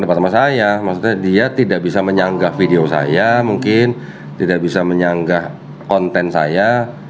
sama saya maksudnya dia tidak bisa menyanggah video saya mungkin tidak bisa menyanggah konten saya